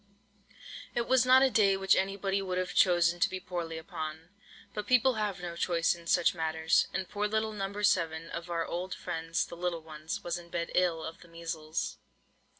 It was not a day which anybody would have chosen to be poorly upon; but people have no choice in such matters, and poor little No. 7, of our old friends "the little ones," was in bed ill of the measles.